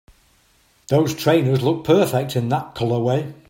Those trainers look perfect in that colorway!